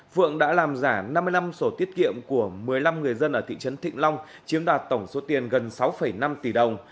phượng đã làm giả năm mươi năm sổ tiết kiệm của một mươi năm người dân ở thị trấn thịnh long chiếm đoạt tổng số tiền gần sáu năm tỷ đồng